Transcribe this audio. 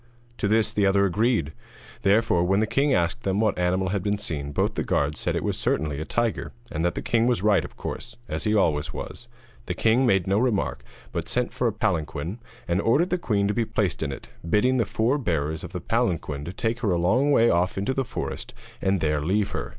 To this the other agreed; therefore, when the king asked them what animal they had seen, both the guards said it was certainly a tiger, and that the king was right of course, as he always was. The king made no remark, but sent for a palanquin, and ordered the queen to be placed in it, bidding the four bearers of the palanquin to take her a long way off into the forest and there leave her.